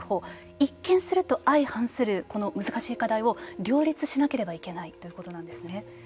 一見すると相反するこの難しい課題を両立しなければいけないということなんですね。